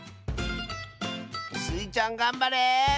スイちゃんがんばれ！